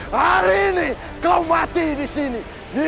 hari ini kau mati disini